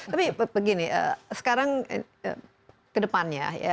tapi begini sekarang ke depannya ya